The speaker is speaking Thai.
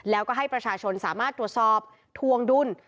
แล้วก็ให้ประชาชนสามารถตรวจสอบทวงดุล